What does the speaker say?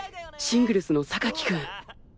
シングルスの君